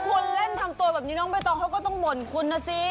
คุณเล่นทำตัวแบบนี้น้องใบตองเขาก็ต้องบ่นคุณนะสิ